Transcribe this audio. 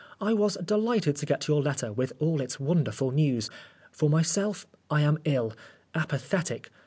I was delighted to get your letter, with all its wonderful news. For myself, I am ill apathetic.